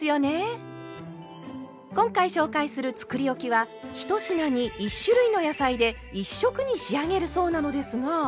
今回紹介するつくりおきは１品に１種類の野菜で１色に仕上げるそうなのですが。